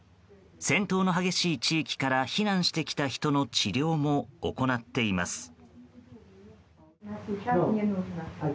戦闘の激しい地域から避難してきた人の治療も行っています。